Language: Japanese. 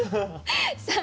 さあ